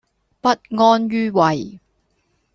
不安於位